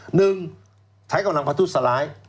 หนึ่งไทยกำลังพันธุสลาย